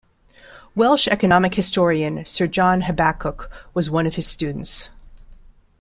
Welsh economic historian Sir John Habakkuk was one of his students.